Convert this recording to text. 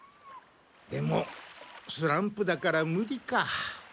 でもスランプだからムリか。